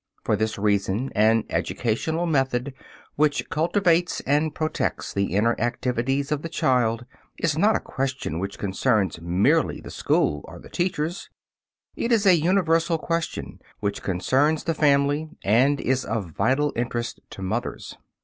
For this reason, an educational method, which cultivates and protects the inner activities of the child, is not a question which concerns merely the school or the teachers; it is a universal question which concerns the family, and is of vital interest to mothers.